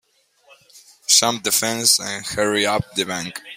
Jump the fence and hurry up the bank.